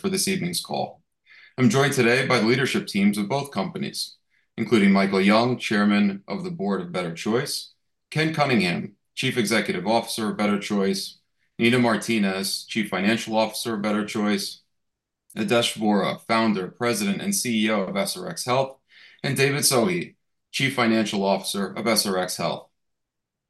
For this evening's call. I'm joined today by the leadership teams of both companies, including Michael Young, Chairman of the Board of Better Choice, Kent Cunningham, Chief Executive Officer of Better Choice, Nina Martinez, Chief Financial Officer of Better Choice, Adesh Vora, Founder, President, and CEO of SRx Health, and David Sohi, Chief Financial Officer of SRx Health.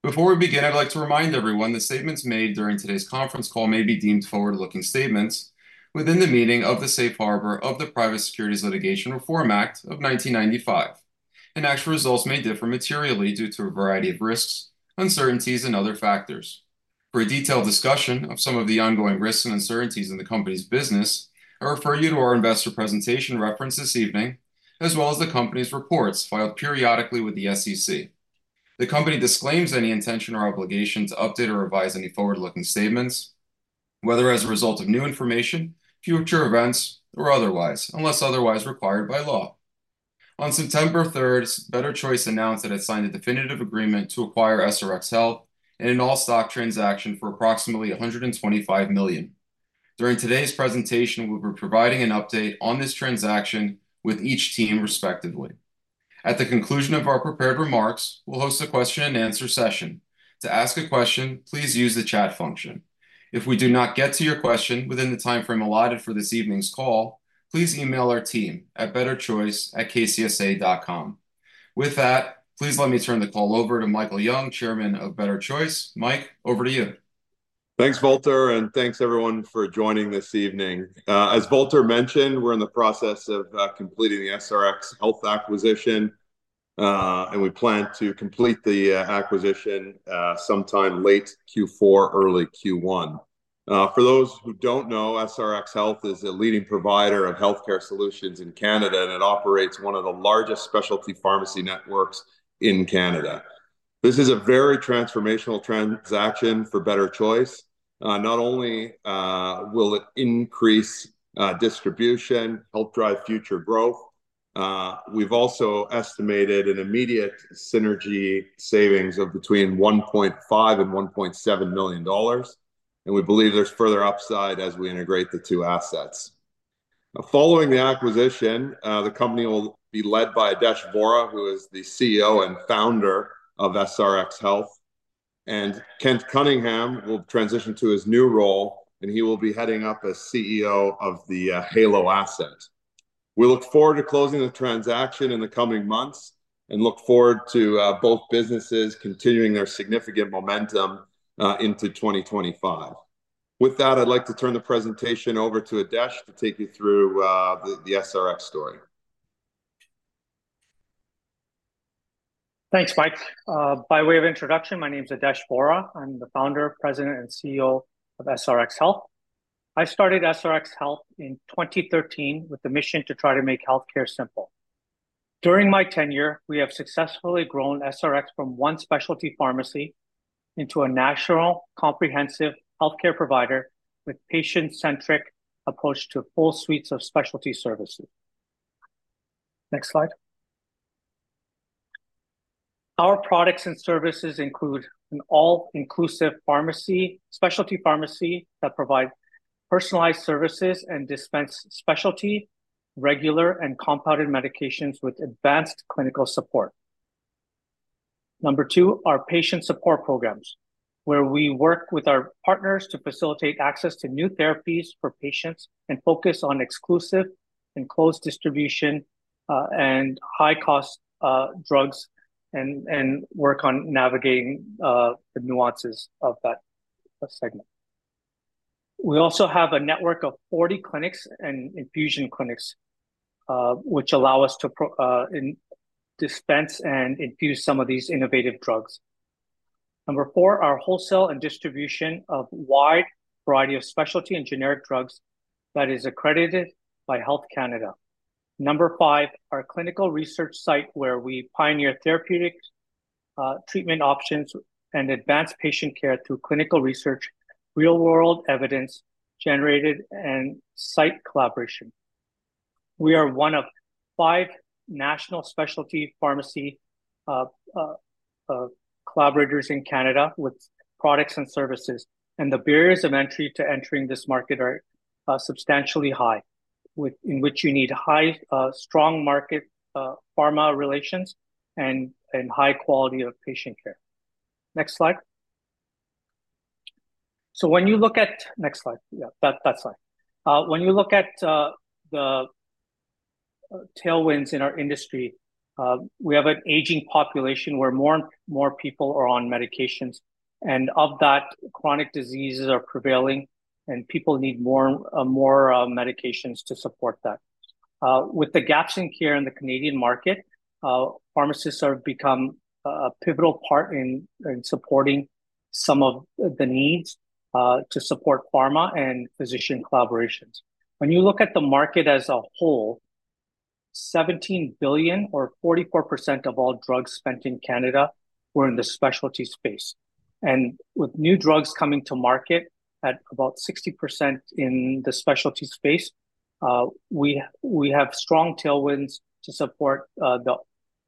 Before we begin, I'd like to remind everyone that statements made during today's conference call may be deemed forward-looking statements within the meaning of the safe harbor of the Private Securities Litigation Reform Act of 1995, and actual results may differ materially due to a variety of risks, uncertainties, and other factors. For a detailed discussion of some of the ongoing risks and uncertainties in the company's business, I refer you to our investor presentation reference this evening, as well as the company's reports filed periodically with the SEC. The company disclaims any intention or obligation to update or revise any forward-looking statements, whether as a result of new information, future events, or otherwise, unless otherwise required by law. On September 3rd, Better Choice announced that it signed a definitive agreement to acquire SRx Health in an all-stock transaction for approximately $125 million. During today's presentation, we'll be providing an update on this transaction with each team respectively. At the conclusion of our prepared remarks, we'll host a question and answer session. To ask a question, please use the chat function. If we do not get to your question within the timeframe allotted for this evening's call, please email our team at betterchoice@kcsa.com. With that, please let me turn the call over to Michael Young, Chairman of Better Choice. Mike, over to you. Thanks, Valter, and thanks everyone for joining this evening. As Valter mentioned, we're in the process of completing the SRx Health acquisition, and we plan to complete the acquisition sometime late Q4, early Q1. For those who don't know, SRx Health is a leading provider of healthcare solutions in Canada, and it operates one of the largest specialty pharmacy networks in Canada. This is a very transformational transaction for Better Choice. Not only will it increase distribution, help drive future growth, we've also estimated an immediate synergy savings of between $1.5 million and $1.7 million, and we believe there's further upside as we integrate the two assets. Now, following the acquisition, the company will be led by Adesh Vora, who is the CEO and founder of SRx Health, and Kent Cunningham will transition to his new role, and he will be heading up as CEO of the Halo asset. We look forward to closing the transaction in the coming months and look forward to both businesses continuing their significant momentum into twenty twenty-five. With that, I'd like to turn the presentation over to Adesh to take you through the SRx story. Thanks, Mike. By way of introduction, my name is Adesh Vora. I'm the Founder, President, and CEO of SRx Health. I started SRx Health in twenty thirteen with the mission to try to make healthcare simple. During my tenure, we have successfully grown SRx from one specialty pharmacy into a national comprehensive healthcare provider, with patient-centric approach to full suites of specialty services. Next slide. Our products and services include an all-inclusive pharmacy, specialty pharmacy that provide personalized services and dispense specialty, regular, and compounded medications with advanced clinical support. Number two, our patient support programs, where we work with our partners to facilitate access to new therapies for patients, and focus on exclusive and closed distribution, and high-cost drugs, and work on navigating the nuances of that segment. We also have a network of 40 clinics and infusion clinics, which allow us to and dispense and infuse some of these innovative drugs. Number four, our wholesale and distribution of wide variety of specialty and generic drugs that is accredited by Health Canada. Number five, our clinical research site, where we pioneer therapeutic treatment options and advance patient care through clinical research, real-world evidence generated, and site collaboration. We are one of five national specialty pharmacy collaborators in Canada with products and services, and the barriers of entry to entering this market are substantially high, in which you need high strong market pharma relations, and high quality of patient care. Next slide. So when you look at... Next slide. Yeah, that, that slide. When you look at the tailwinds in our industry, we have an aging population where more and more people are on medications, and of that, chronic diseases are prevailing, and people need more medications to support that. With the gaps in care in the Canadian market, pharmacists are become a pivotal part in supporting some of the needs to support pharma and physician collaborations. When you look at the market as a whole, 17 billion or 44% of all drugs spent in Canada were in the specialty space. And with new drugs coming to market at about 60% in the specialty space, we have strong tailwinds to support the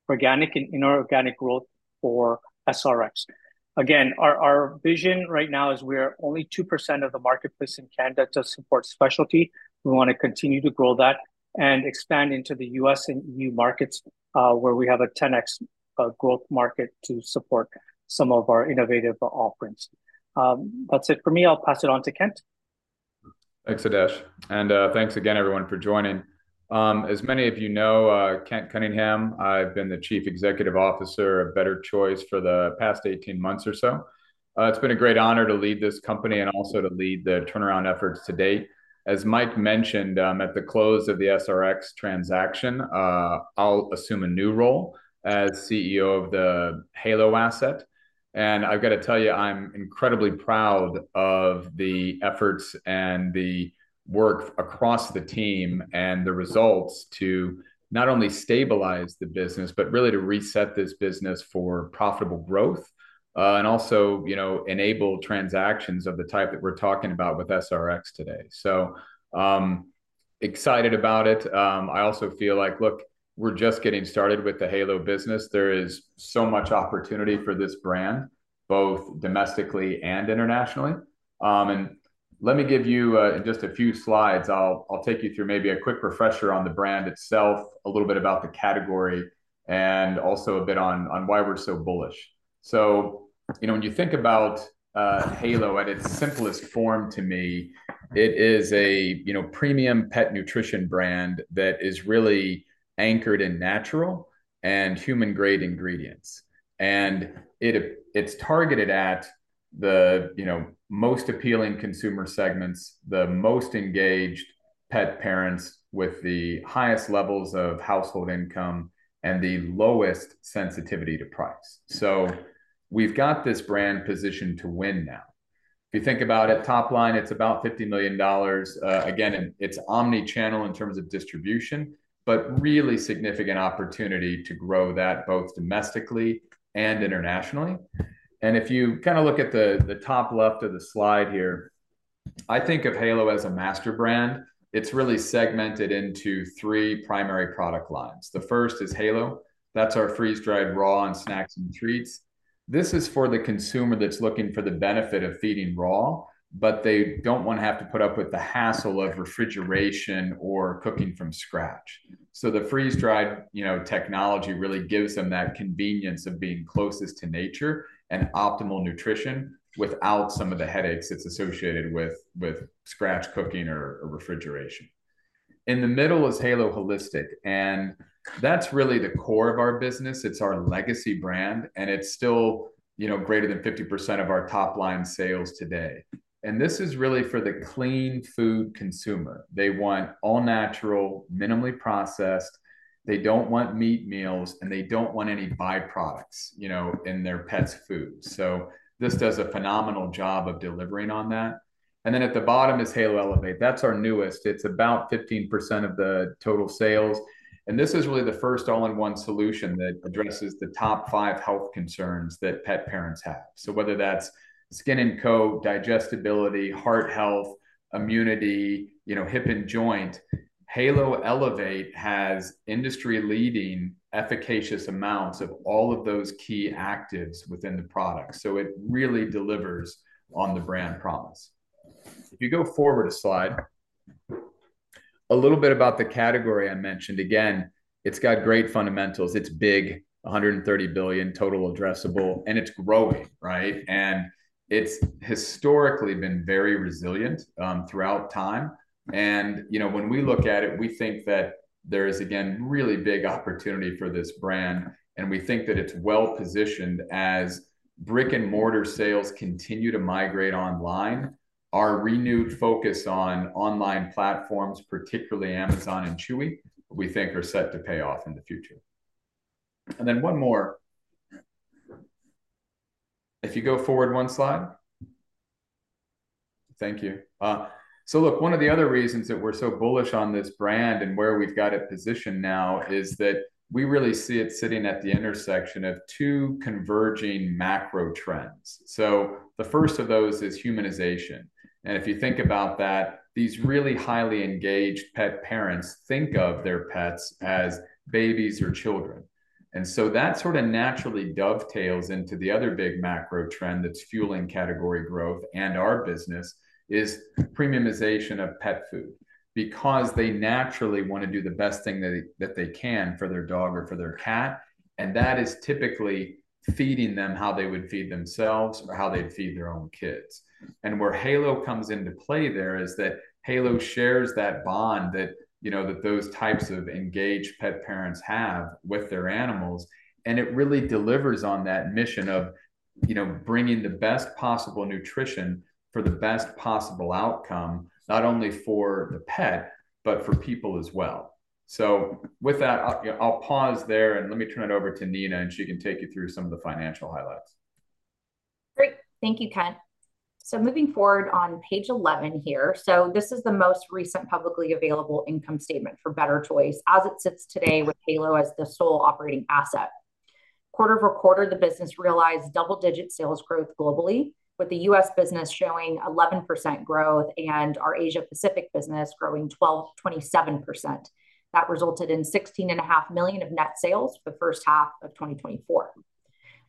organic and inorganic growth for SRx. Again, our vision right now is we are only 2% of the marketplace in Canada to support specialty. We want to continue to grow that and expand into the US and EU markets, where we have a 10X growth market to support some of our innovative offerings. That's it for me. I'll pass it on to Kent. Thanks, Adesh, and, thanks again everyone for joining. As many of you know, Kent Cunningham, I've been the Chief Executive Officer of Better Choice for the past eighteen months or so. It's been a great honor to lead this company and also to lead the turnaround efforts to date. As Mike mentioned, at the close of the SRx transaction, I'll assume a new role as CEO of the Halo asset. And I've got to tell you, I'm incredibly proud of the efforts and the work across the team, and the results to not only stabilize the business, but really to reset this business for profitable growth, and also, you know, enable transactions of the type that we're talking about with SRx today. Excited about it. I also feel like, look, we're just getting started with the Halo business. There is so much opportunity for this brand, both domestically and internationally, and let me give you, in just a few slides, I'll take you through maybe a quick refresher on the brand itself, a little bit about the category, and also a bit on why we're so bullish, so you know, when you think about Halo, at its simplest form, to me, it is a, you know, premium pet nutrition brand that is really anchored in natural and human-grade ingredients, and it's targeted at the, you know, most appealing consumer segments, the most engaged pet parents with the highest levels of household income and the lowest sensitivity to price, so we've got this brand positioned to win now. If you think about it, top line, it's about $50 million. Again, and it's omni-channel in terms of distribution, but really significant opportunity to grow that both domestically and internationally. And if you kind of look at the top left of the slide here, I think of Halo as a master brand. It's really segmented into three primary product lines. The first is Halo. That's our freeze-dried raw and snacks and treats. This is for the consumer that's looking for the benefit of feeding raw, but they don't want to have to put up with the hassle of refrigeration or cooking from scratch. So the freeze-dried, you know, technology really gives them that convenience of being closest to nature and optimal nutrition, without some of the headaches that's associated with scratch cooking or refrigeration. In the middle is Halo Holistic, and that's really the core of our business. It's our legacy brand, and it's still, you know, greater than 50% of our top-line sales today, and this is really for the clean food consumer. They want all-natural, minimally processed. They don't want meat meals, and they don't want any byproducts, you know, in their pet's food. So this does a phenomenal job of delivering on that. And then at the bottom is Halo Elevate. That's our newest. It's about 15% of the total sales, and this is really the first all-in-one solution that addresses the top five health concerns that pet parents have. So whether that's skin and coat, digestibility, heart health, immunity, you know, hip and joint, Halo Elevate has industry-leading, efficacious amounts of all of those key actives within the product, so it really delivers on the brand promise. If you go forward a slide, a little bit about the category I mentioned. Again, it's got great fundamentals. It's big, 130 billion total addressable, and it's growing, right? And it's historically been very resilient throughout time. And, you know, when we look at it, we think that there is, again, really big opportunity for this brand, and we think that it's well-positioned. As brick-and-mortar sales continue to migrate online, our renewed focus on online platforms, particularly Amazon and Chewy, we think are set to pay off in the future. And then one more. If you go forward one slide. Thank you. So look, one of the other reasons that we're so bullish on this brand and where we've got it positioned now is that we really see it sitting at the intersection of two converging macro trends. So the first of those is humanization. If you think about that, these really highly engaged pet parents think of their pets as babies or children. That sort of naturally dovetails into the other big macro trend that's fueling category growth, and our business, is premiumization of pet food because they naturally want to do the best thing that they can for their dog or for their cat, and that is typically feeding them how they would feed themselves or how they'd feed their own kids. Where Halo comes into play there is that Halo shares that bond that, you know, those types of engaged pet parents have with their animals, and it really delivers on that mission of, you know, bringing the best possible nutrition for the best possible outcome, not only for the pet, but for people as well. So with that, yeah, I'll pause there, and let me turn it over to Nina, and she can take you through some of the financial highlights. Great. Thank you, Kent. So moving forward on page 11 here, so this is the most recent publicly available income statement for Better Choice as it sits today with Halo as the sole operating asset. quarter-over-quarter, the business realized double-digit sales growth globally, with the U.S. business showing 11% growth, and our Asia Pacific business growing 12%-27%. That resulted in $16.5 million of net sales for the first half of twenty twenty-four.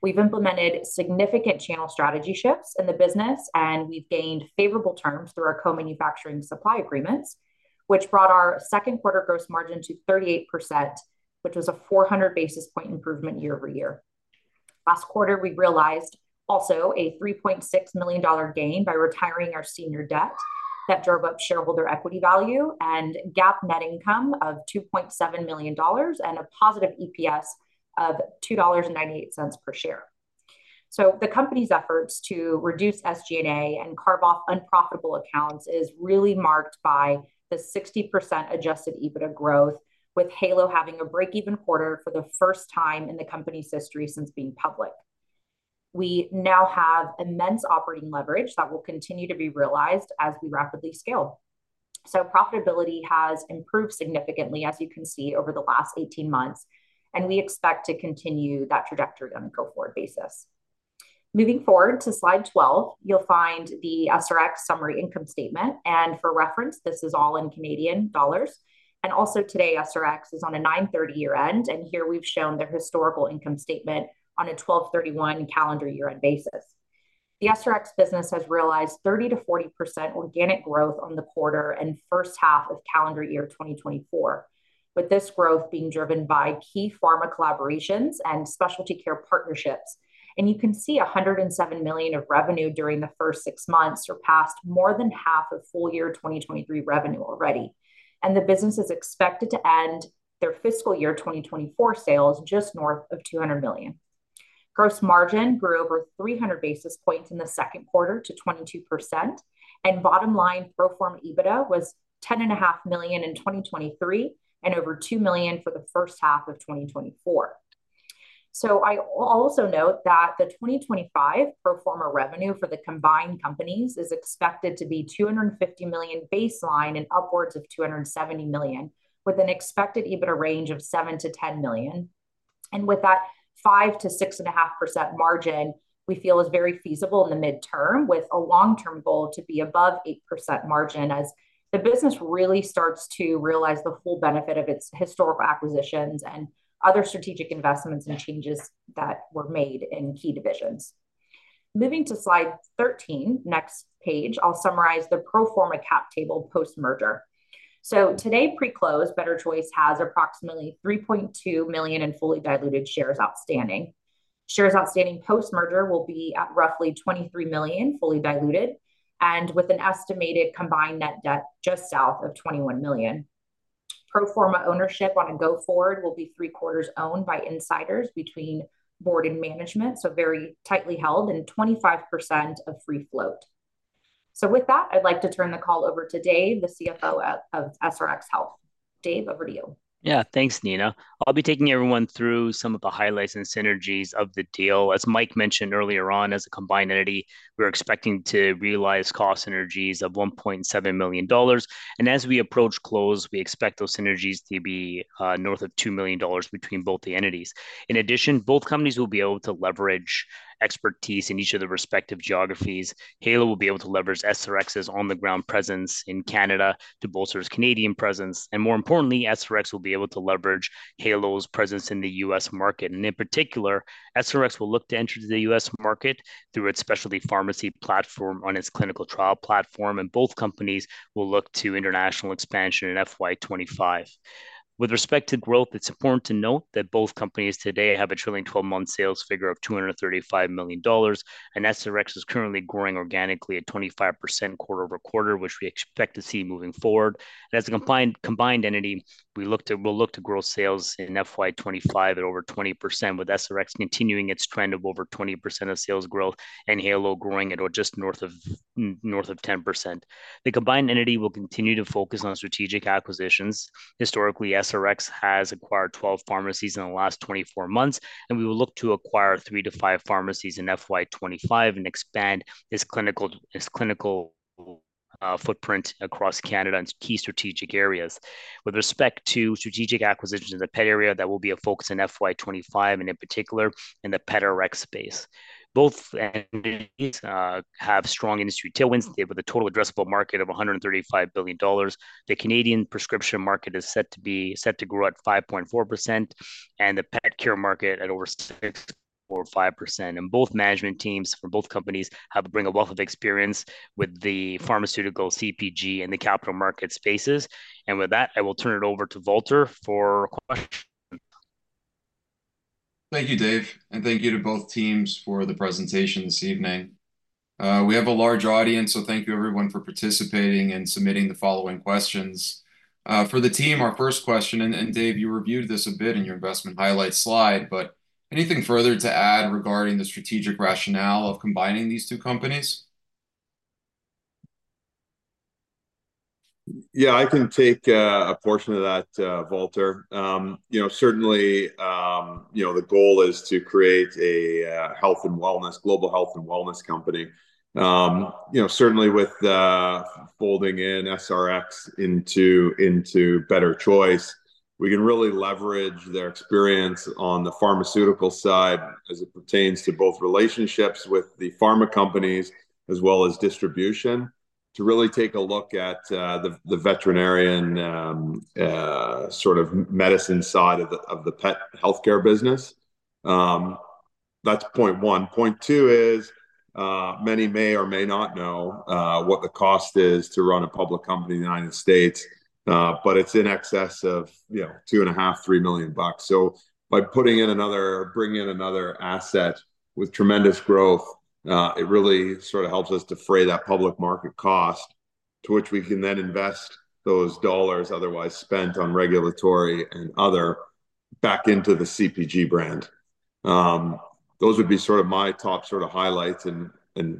We've implemented significant channel strategy shifts in the business, and we've gained favorable terms through our co-manufacturing supply agreements, which brought our second quarter gross margin to 38%, which was a 400 basis point improvement year-over-year. Last quarter, we realized also a $3.6 million gain by retiring our senior debt that drove up shareholder equity value and GAAP net income of $2.7 million, and a positive EPS of $2.98 per share. So the company's efforts to reduce SG&A and carve off unprofitable accounts is really marked by the 60% adjusted EBITDA growth, with Halo having a break-even quarter for the first time in the company's history since being public. We now have immense operating leverage that will continue to be realized as we rapidly scale. So profitability has improved significantly, as you can see, over the last 18 months, and we expect to continue that trajectory on a go-forward basis. Moving forward to slide 12, you'll find the SRx summary income statement, and for reference, this is all in Canadian dollars. Also today, SRx is on a September 30 year-end, and here we've shown their historical income statement on a December 31 calendar year-end basis. The SRx business has realized 30%-40% organic growth in the quarter and first half of calendar year 2024, with this growth being driven by key pharma collaborations and specialty care partnerships. You can see 107 million of revenue during the first 6 months surpassed more than half of full year 2023 revenue already, and the business is expected to end their fiscal year 2024 sales just north of 200 million. Gross margin grew over 300 basis points in the second quarter to 22%, and bottom line pro forma EBITDA was 10.5 million in 2023, and over 2 million for the first half of 2024. So I also note that the 2025 pro forma revenue for the combined companies is expected to be $250 million baseline and upwards of $270 million, with an expected EBITDA range of $7-$10 million. And with that, 5%-6.5% margin, we feel is very feasible in the midterm, with a long-term goal to be above 8% margin as the business really starts to realize the full benefit of its historical acquisitions and other strategic investments and changes that were made in key divisions. Moving to slide 13, next page, I'll summarize the pro forma cap table post-merger. So today, pre-close, Better Choice has approximately 3.2 million in fully diluted shares outstanding. Shares outstanding post-merger will be at roughly 23 million, fully diluted, and with an estimated combined net debt just south of 21 million. Pro forma ownership on a go forward will be three quarters owned by insiders between board and management, so very tightly held and 25% of free float. With that, I'd like to turn the call over to Dave, the CFO of SRx Health. Dave, over to you. Yeah, thanks, Nina. I'll be taking everyone through some of the highlights and synergies of the deal. As Mike mentioned earlier on, as a combined entity, we're expecting to realize cost synergies of $1.7 million, and as we approach close, we expect those synergies to be north of $2 million between both the entities. In addition, both companies will be able to leverage expertise in each of their respective geographies. Halo will be able to leverage SRx's on-the-ground presence in Canada to bolster its Canadian presence, and more importantly, SRx will be able to leverage Halo's presence in the US market. In particular, SRx will look to enter the US market through its specialty pharmacy platform on its clinical trial platform, and both companies will look to international expansion in FY 2025. With respect to growth, it's important to note that both companies today have a trailing twelve-month sales figure of $235 million, and SRx is currently growing organically at 25% quarter-over-quarter, which we expect to see moving forward, and as a combined entity, we'll look to grow sales in FY 2025 at over 20%, with SRx continuing its trend of over 20% of sales growth and Halo growing at or just north of 10%. The combined entity will continue to focus on strategic acquisitions. Historically, SRx has acquired 12 pharmacies in the last 24 months, and we will look to acquire 3 to 5 pharmacies in FY 2025 and expand its clinical footprint across Canada in key strategic areas. With respect to strategic acquisitions in the pet area, that will be a focus in FY 2025, and in particular, in the PetRx space. Both entities have strong industry tailwinds, with a total addressable market of $135 billion. The Canadian prescription market is set to grow at 5.4%, and the pet care market at over 6% or 5%. Both management teams for both companies have bring a wealth of experience with the pharmaceutical, CPG and the capital market spaces. With that, I will turn it over to Valter for questions. Thank you, Dave, and thank you to both teams for the presentation this evening. We have a large audience, so thank you everyone for participating and submitting the following questions. For the team, our first question, and Dave, you reviewed this a bit in your investment highlights slide, but anything further to add regarding the strategic rationale of combining these two companies? Yeah, I can take a portion of that, Valter. You know, certainly, you know, the goal is to create a health and wellness, global health and wellness company. You know, certainly with folding in SRx into Better Choice, we can really leverage their experience on the pharmaceutical side as it pertains to both relationships with the pharma companies, as well as distribution, to really take a look at the veterinarian sort of medicine side of the pet healthcare business. That's point one. Point two is, many may or may not know what the cost is to run a public company in the United States, but it's in excess of, you know, $2.5-$3 million. So by putting in another bringing in another asset with tremendous growth, it really sort of helps us defray that public market cost, to which we can then invest those dollars otherwise spent on regulatory and other back into the CPG brand. Those would be sort of my top sort of highlights, and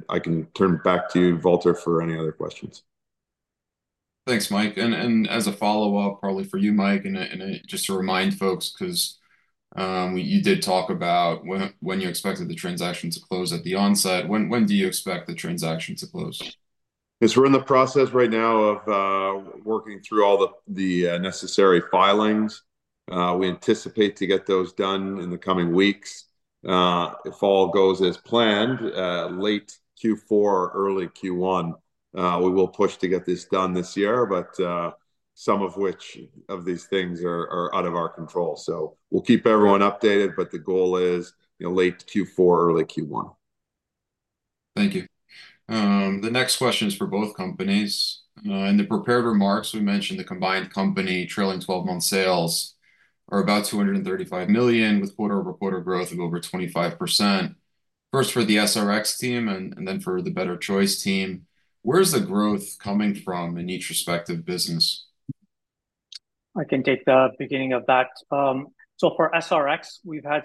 I can turn it back to you, Valter, for any other questions. Thanks, Mike. And as a follow-up, probably for you, Mike, and just to remind folks, 'cause you did talk about when you expected the transaction to close at the onset. When do you expect the transaction to close? Yes, we're in the process right now of working through all the necessary filings. We anticipate to get those done in the coming weeks. If all goes as planned, late Q4, early Q1, we will push to get this done this year, but some of which of these things are out of our control. So we'll keep everyone updated, but the goal is, you know, late Q4, early Q1. Thank you. The next question is for both companies. In the prepared remarks, we mentioned the combined company trailing twelve-month sales are about $235 million, with quarter-over-quarter growth of over 25%. First, for the SRx team, and then for the Better Choice team, where's the growth coming from in each respective business? I can take the beginning of that. So for SRx, we've had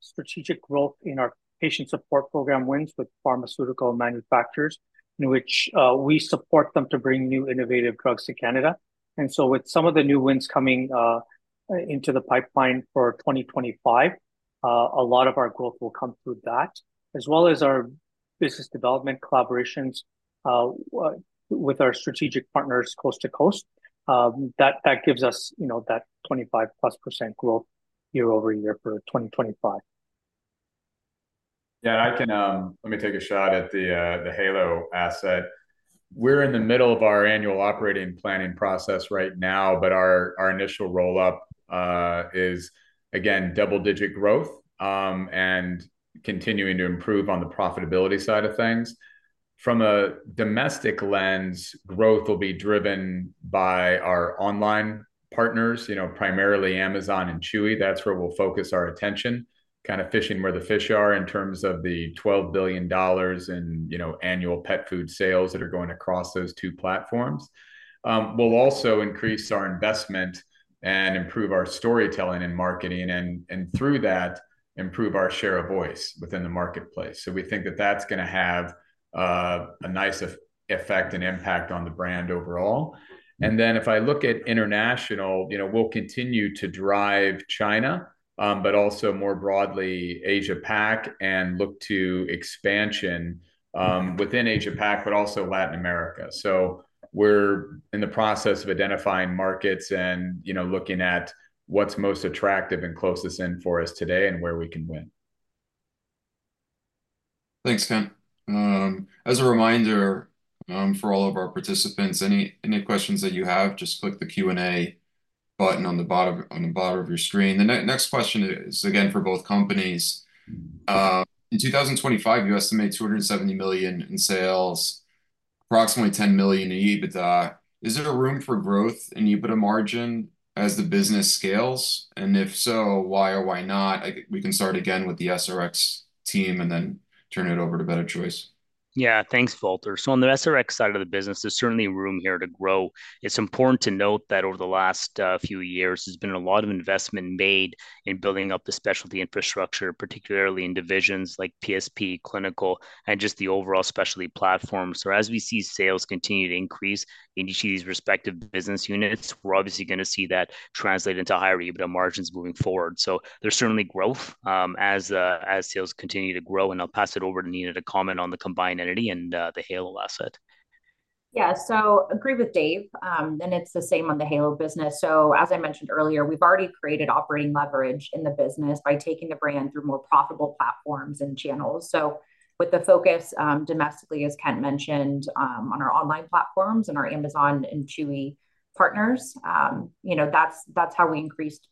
strategic growth in our patient support program wins with pharmaceutical manufacturers, in which we support them to bring new innovative drugs to Canada. And so with some of the new wins coming into the pipeline for 2025, a lot of our growth will come through that, as well as our business development collaborations with our strategic partners coast to coast. That gives us, you know, that 25% growth year-over-year for 2025. Yeah, I can. Let me take a shot at the Halo asset. We're in the middle of our annual operating planning process right now, but our initial roll-up is, again, double-digit growth and continuing to improve on the profitability side of things. From a domestic lens, growth will be driven by our online partners, you know, primarily Amazon and Chewy. That's where we'll focus our attention, kind of fishing where the fish are in terms of the $12 billion in annual pet food sales that are going across those two platforms. We'll also increase our investment and improve our storytelling and marketing, and through that, improve our share of voice within the marketplace. So we think that that's gonna have a nice effect and impact on the brand overall. And then if I look at international, you know, we'll continue to drive China, but also more broadly, Asia-Pac, and look to expansion, within Asia-Pac, but also Latin America. So we're in the process of identifying markets and, you know, looking at what's most attractive and closest in for us today and where we can win. Thanks, Kent. As a reminder, for all of our participants, any questions that you have, just click the Q&A button on the bottom of your screen. The next question is, again, for both companies. In 2025, you estimate $270 million in sales, approximately $10 million in EBITDA. Is there a room for growth in EBITDA margin as the business scales? And if so, why or why not? We can start again with the SRx team and then turn it over to Better Choice. Yeah. Thanks, Valter. So on the SRx side of the business, there's certainly room here to grow. It's important to note that over the last few years, there's been a lot of investment made in building up the specialty infrastructure, particularly in divisions like PSP, clinical, and just the overall specialty platform. So as we see sales continue to increase in each of these respective business units, we're obviously gonna see that translate into higher EBITDA margins moving forward. So there's certainly growth, as sales continue to grow, and I'll pass it over to Nina to comment on the combined entity and the Halo asset. Yeah. So agree with Dave, and it's the same on the Halo business. So as I mentioned earlier, we've already created operating leverage in the business by taking the brand through more profitable platforms and channels. So with the focus, domestically, as Kent mentioned, on our online platforms and our Amazon and Chewy partners, you know, that's how we increased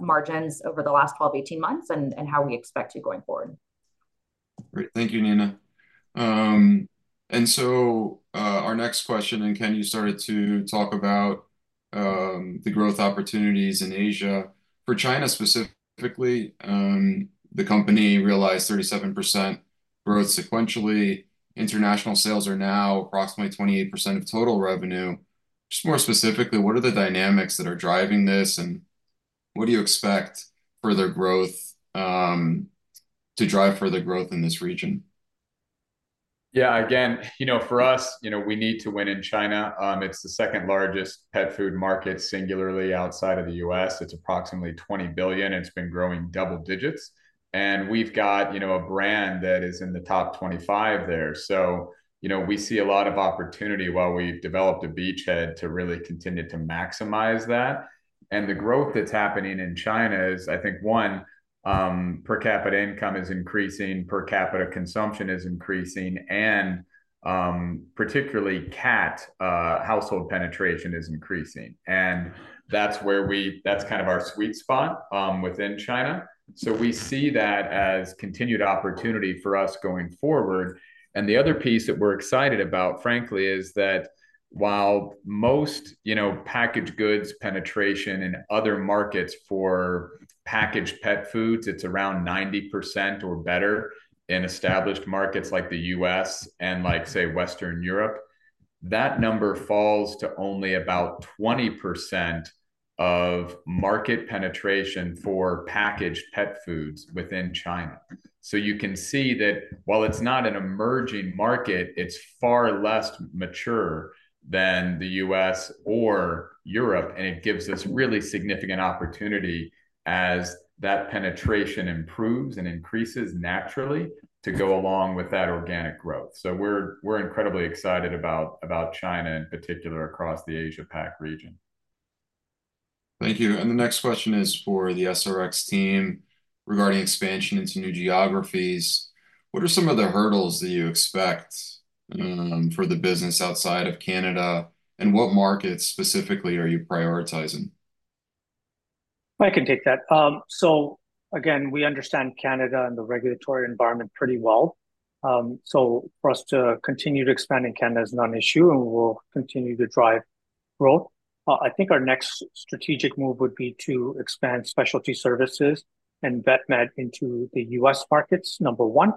margins over the last twelve to eighteen months, and how we expect to going forward. Great. Thank you, Nina. And so, our next question, and Kent, you started to talk about the growth opportunities in Asia. For China, specifically, the company realized 37% growth sequentially. International sales are now approximately 28% of total revenue. Just more specifically, what are the dynamics that are driving this, and what do you expect further growth to drive further growth in this region? Yeah, again, you know, for us, you know, we need to win in China. It's the second largest pet food market singularly outside of the US. It's approximately $20 billion, and it's been growing double digits. And we've got, you know, a brand that is in the top 25 there. So, you know, we see a lot of opportunity while we've developed a beachhead to really continue to maximize that. And the growth that's happening in China is, I think, one, per capita income is increasing, per capita consumption is increasing, and, particularly cat household penetration is increasing. And that's where that's kind of our sweet spot, within China. So we see that as continued opportunity for us going forward. The other piece that we're excited about, frankly, is that while most, you know, packaged goods penetration in other markets for packaged pet foods, it's around 90% or better in established markets like the U.S. and like, say, Western Europe, that number falls to only about 20% of market penetration for packaged pet foods within China. So you can see that while it's not an emerging market, it's far less mature than the U.S. or Europe, and it gives us really significant opportunity as that penetration improves and increases naturally to go along with that organic growth. So we're incredibly excited about China, in particular, across the Asia-Pacific region. Thank you. And the next question is for the SRx team regarding expansion into new geographies. What are some of the hurdles that you expect, for the business outside of Canada, and what markets specifically are you prioritizing? I can take that. So again, we understand Canada and the regulatory environment pretty well. So for us to continue to expand in Canada is not an issue, and we'll continue to drive growth. I think our next strategic move would be to expand specialty services and vet med into the US markets, number one,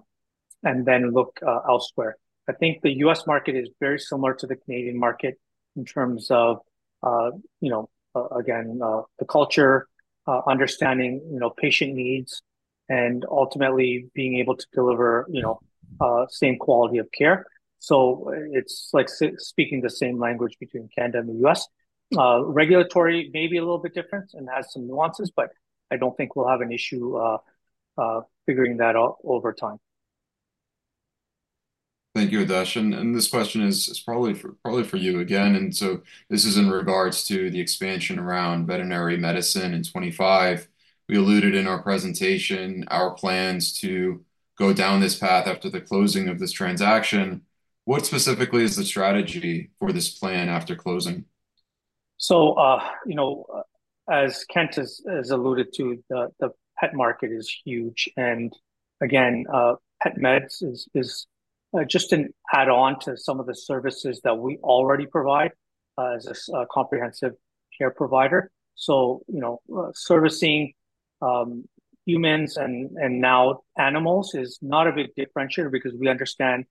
and then look elsewhere. I think the US market is very similar to the Canadian market in terms of, you know, again, the culture, understanding, you know, patient needs, and ultimately being able to deliver, you know, same quality of care. So it's like speaking the same language between Canada and the US. Regulatory may be a little bit different and has some nuances, but I don't think we'll have an issue figuring that out over time. Thank you, Adesh. And this question is probably for you again. And so this is in regards to the expansion around veterinary medicine in twenty-five. We alluded in our presentation our plans to go down this path after the closing of this transaction. What specifically is the strategy for this plan after closing? So, you know, as Kent has alluded to, the pet market is huge. And again, pet meds is just an add-on to some of the services that we already provide as a comprehensive care provider. So, you know, servicing humans and now animals is not a big differentiator because we understand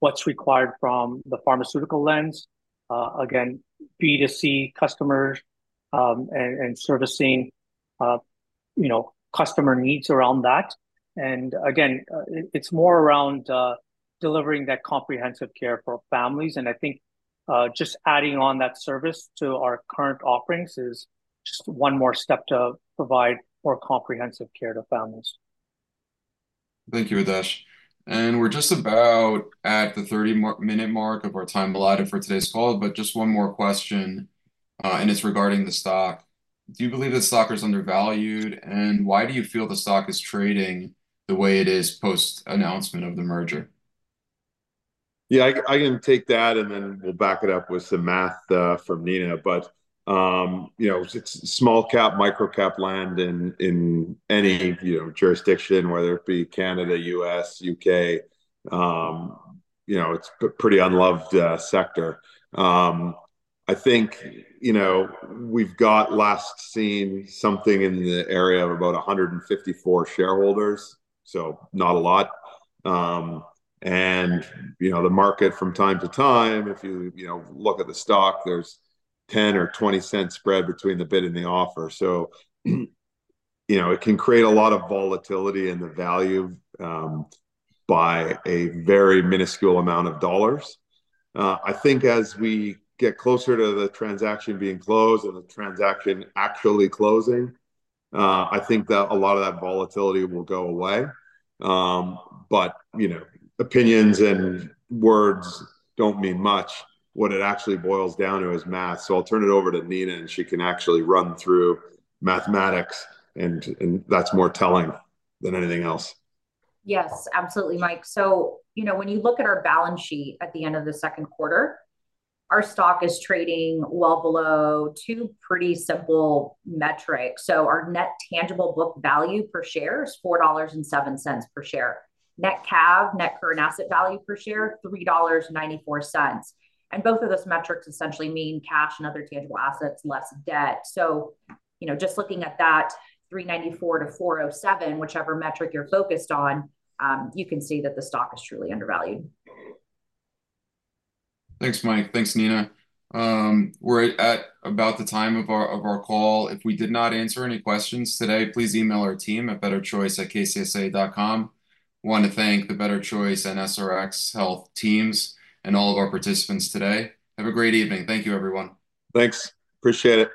what's required from the pharmaceutical lens. Again, B2C customers and servicing you know, customer needs around that. And again, it's more around delivering that comprehensive care for families. And I think just adding on that service to our current offerings is just one more step to provide more comprehensive care to families. Thank you, Adesh. And we're just about at the thirty-minute mark of our time allotted for today's call, but just one more question, and it's regarding the stock. Do you believe the stock is undervalued, and why do you feel the stock is trading the way it is post-announcement of the merger? Yeah, I can take that, and then we'll back it up with some math from Nina. But you know, it's small cap, micro-cap land in any, you know, jurisdiction, whether it be Canada, US, UK. You know, it's a pretty unloved sector. I think, you know, we've got last seen something in the area of about 154 shareholders, so not a lot. And you know, the market from time to time, if you, you know, look at the stock, there's a $0.10 or $0.20 spread between the bid and the offer. So you know, it can create a lot of volatility in the value by a very minuscule amount of dollars. I think as we get closer to the transaction being closed and the transaction actually closing, I think that a lot of that volatility will go away. But, you know, opinions and words don't mean much. What it actually boils down to is math. So I'll turn it over to Nina, and she can actually run through mathematics, and that's more telling than anything else. Yes, absolutely, Mike. So, you know, when you look at our balance sheet at the end of the second quarter, our stock is trading well below two pretty simple metrics. So our net tangible book value per share is $4.07 per share. Net CAV, net current asset value per share, $3.94. And both of those metrics essentially mean cash and other tangible assets, less debt. So, you know, just looking at that, $3.94 to $4.07, whichever metric you're focused on, you can see that the stock is truly undervalued. Thanks, Mike. Thanks, Nina. We're at about the time of our call. If we did not answer any questions today, please email our team at betterchoice@kcsa.com. Want to thank the Better Choice and SRx Health teams and all of our participants today. Have a great evening. Thank you, everyone. Thanks. Appreciate it.